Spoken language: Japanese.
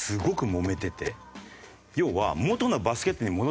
要は。